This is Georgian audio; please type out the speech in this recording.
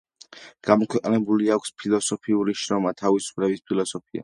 გამოქვეყნებული აქვს ფილოსოფიური შრომა „თავისუფლების ფილოსოფია“.